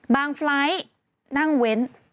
ไฟล์ทนั่งเว้น